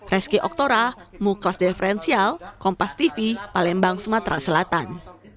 reski oktora mukos diferensial kompas tv palembang sumatera selatan